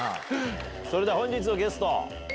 それでは本日のゲスト。